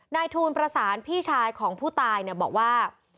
นายทูลประสานพี่ชายของผู้ตายบอกว่า